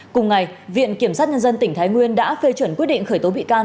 cùng ngày viện kiểm sát nhân dân tỉnh thái nguyên đã phê chuẩn quyết định khởi tố bị can